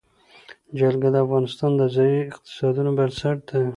جلګه د افغانستان د ځایي اقتصادونو بنسټ دی.